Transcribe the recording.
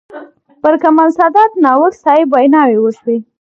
پر کمال سادات، ناوک صاحب ویناوې وشوې.